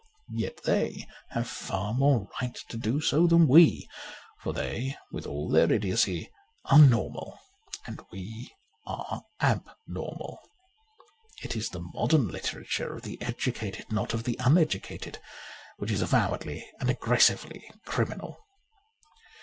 Yet they have far more right to do so than we ; for they, with all their idiotcy, are normal and we are .abnormal. It is the modern literature of the educated, not of the uneducated, which is avowedly and aggressively criminal.